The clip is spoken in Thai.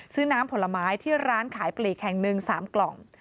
น้ำผลไม้ที่ร้านขายปลีกแห่งหนึ่ง๓กล่อง